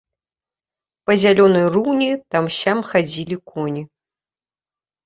Па зялёнай руні там-сям хадзілі коні.